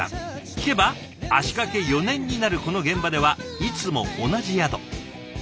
聞けば足かけ４年になるこの現場ではいつも同じ宿。